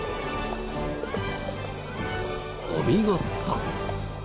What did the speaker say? お見事！